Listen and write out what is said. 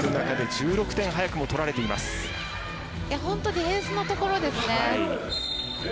ディフェンスのところですね。